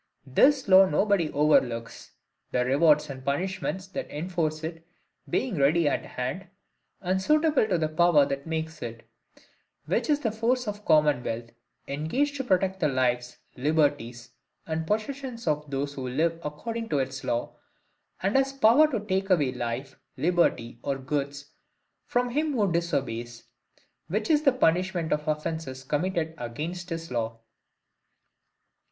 This law nobody overlooks: the rewards and punishments that enforce it being ready at hand, and suitable to the power that makes it: which is the force of the Commonwealth, engaged to protect the lives, liberties, and possessions of those who live according to its laws, and has power to take away life, liberty, or goods, from him who disobeys; which is the punishment of offences committed against his law.